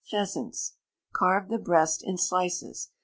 Pheasants. Carve the breast in slices.